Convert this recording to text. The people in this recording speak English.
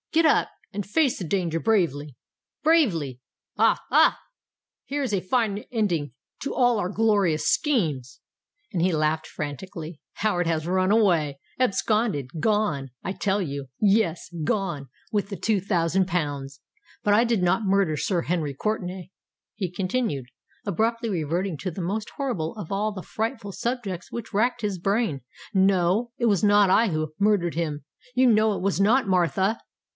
Get up—and face the danger bravely—bravely! Ah! ah! here is a fine ending to all our glorious schemes!"—and he laughed frantically. "Howard has run away—absconded—gone, I tell you! Yes—gone, with the two thousand pounds! But I did not murder Sir Henry Courtenay!" he continued, abruptly reverting to the most horrible of all the frightful subjects which racked his brain. "No—it was not I who murdered him—you know it was not, Martha!"